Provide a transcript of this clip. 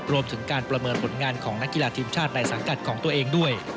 รวมถึงการประเมินผลงานของนักกีฬาทีมชาติในสังกัดของตัวเองด้วย